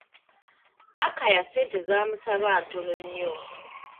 Akaya ssente z'amusaba ntonno nnyo.